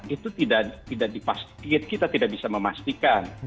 itu tidak dipastikan kita tidak bisa memastikan